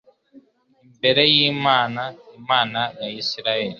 imbere y’Imana Imana ya Israheli